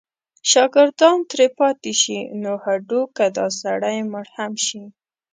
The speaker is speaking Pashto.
شاګردان ترې پاتې شي نو هډو که دا سړی مړ هم شي.